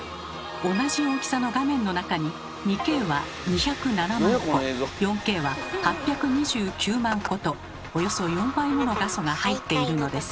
同じ大きさの画面の中に２Ｋは２０７万個４Ｋは８２９万個とおよそ４倍もの画素が入っているのです。